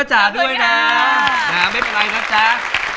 ๔ท่านนี้นะฮะ